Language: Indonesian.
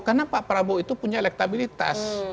karena pak prabowo itu punya elektabilitas